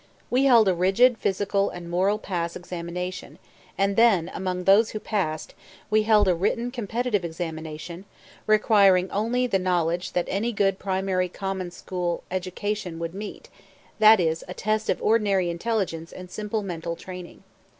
We held a rigid physical and moral pass examination, and then, among those who passed, we held a written competitive examination, requiring only the knowledge that any good primary common school education would meet that is, a test of ordinary intelligence and simple mental training.